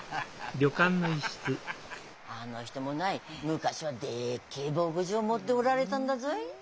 あの人もない昔はでっけえ牧場持っておられたんだぞい。